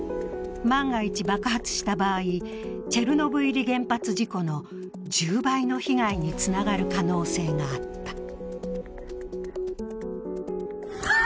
万が一、爆発した場合チェルノブイリ原発事故の１０倍の被害につながる可能性があった。